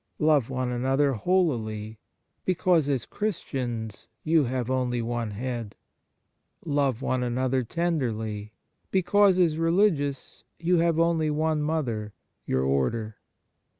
Love one another holily, because as Chris tians you have only one Head. Love one 6 Second Fundamental Truth another tenderly, because as religious you have only one mother your Order